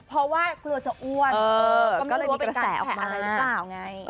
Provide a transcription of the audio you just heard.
เพราะว่าเพราะว่าจะอ้วนก็ไม่รู้ว่าเป็นการแผลอะไรหรือเปล่าไง